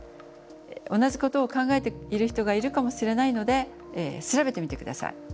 同じことを考えている人がいるかもしれないので調べてみて下さい。